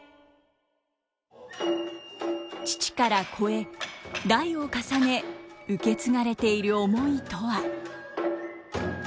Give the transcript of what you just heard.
父から子へ代を重ね受け継がれている思いとは。